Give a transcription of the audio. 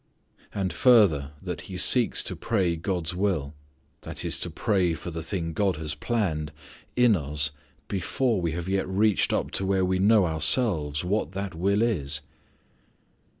And further that He seeks to pray God's will that is to pray for the thing God has planned in us before we have yet reached up to where we know ourselves what that will is.